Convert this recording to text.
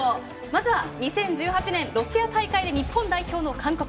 まずは、２０１８年ロシア大会で日本代表の監督